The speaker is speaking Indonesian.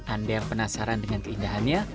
anda yang penasaran dengan keindahannya